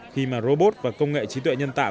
khi mà robot và công nghệ trí tuệ nhân tạo